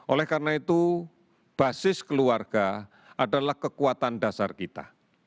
oleh karena itu basis keluarga adalah kekuatan dasar kita